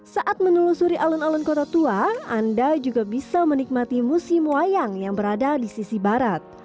saat menelusuri alun alun kota tua anda juga bisa menikmati musim wayang yang berada di sisi barat